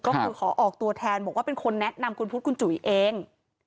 ก็คือขอออกตัวแทนบอกว่าเป็นคนแนะนำคุณพุทธคุณจุ๋ยเอง